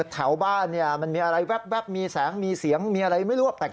แถวบ้านมันมีอะไรแว๊บมีแสงมีเสียงมีอะไรไม่รู้ว่าแปลก